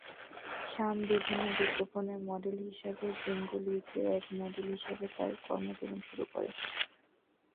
শাম বিভিন্ন বিজ্ঞাপনের মডেল হিসেবে বেঙ্গালুরুতে একজন মডেল হিসাবে তার কর্মজীবন শুরু করেন।